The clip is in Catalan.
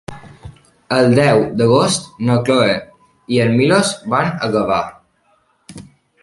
El deu d'agost na Cloè i en Milos van a Gavà.